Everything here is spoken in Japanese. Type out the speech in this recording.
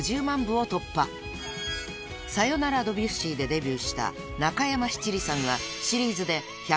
［『さよならドビュッシー』でデビューした中山七里さんは］